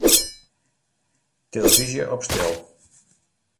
Tillefyzje op stil.